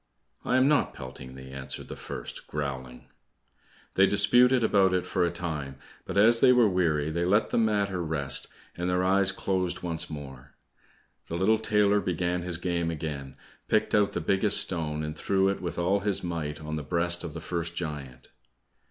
"I am not pelting thee," answered the first, growling. They disputed about it for a time, but as they were weary they let the matter rest, and their eyes closed once more. The little tailor began his game again, picked out the biggest stone, and threw it with all his might on the breast of the first giant.